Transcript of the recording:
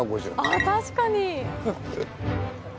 あ確かに！